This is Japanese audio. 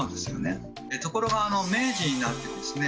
ところが明治になってですね